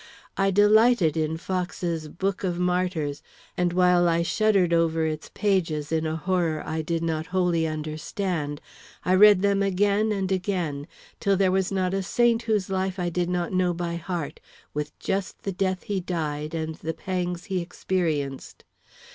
I delighted in Fox's "Book of Martyrs," and while I shuddered over its pages in a horror I did not wholly understand, I read them again and again, till there was not a saint whose life I did not know by heart, with just the death he died and the pangs he experienced.